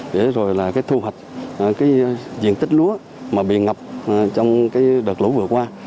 để rồi là cái thu hoạch cái diện tích lúa mà bị ngập trong cái đợt lũ vừa qua